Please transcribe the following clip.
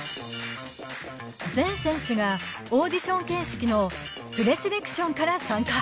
全選手が、オーディション形式のプレセレクションから参加。